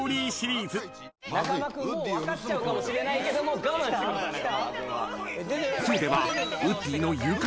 中間君もう分かっちゃうかもしれないけども我慢してください。